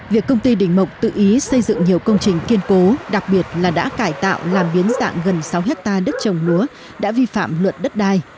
việc công ty đình mộc tự ý xây dựng nhiều công trình kiên cố đặc biệt là đã cải tạo làm biến dạng gần sáu hectare đất trồng lúa đã vi phạm luật đất đai